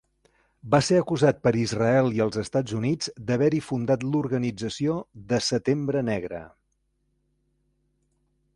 Va ser acusat per Israel i els Estats Units d'haver-hi fundat l'Organització de setembre Negra.